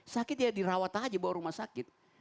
sakit ya dirawat aja bawa rumah sakit